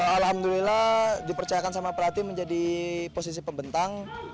alhamdulillah dipercayakan sama prati menjadi posisi pembentang